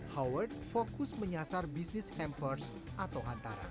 howard fokus menyasar bisnis hampers atau hantara